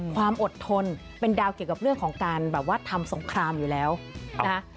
ความอดทนเป็นดาวเกี่ยวกับเรื่องของการแบบว่าทำสงครามอยู่แล้วนะคะ